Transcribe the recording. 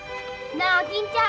なあ金ちゃん！